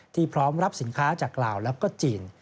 พร้อมรับสินค้าจากลาวแล้วก็จีน